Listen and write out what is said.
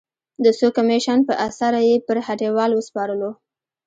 د څو کمېشن په اسره یې پر هټیوال وسپارلو.